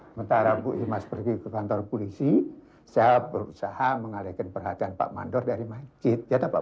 sementara bu imas pergi ke kantor polisi saya berusaha mengalihkan perhatian pak mandor dari masjid ya tak pak bu